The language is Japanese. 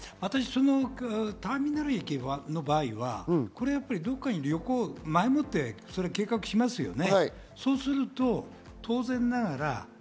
ターミナル駅の場合はどこかに旅行を前もって計画しますよね。